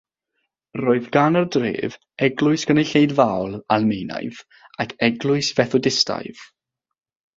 Roedd gan y dref eglwys Gynulleidfaol Almaenaidd ac eglwys Fethodistaidd.